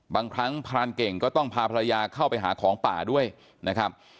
บางครั้งพรานเก่งก็ต้องพาภรรยาเข้าไปหาของป่าด้วยนะครับ